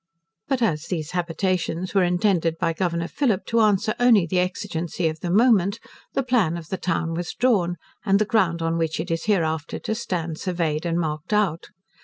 But as these habitations were intended by Governor Phillip to answer only the exigency of the moment, the plan of the town was drawn, and the ground on which it is hereafter to stand surveyed, and marked out.